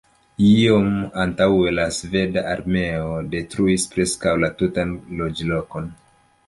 Iom antaŭe la sveda armeo detruis preskaŭ la tutan loĝlokon.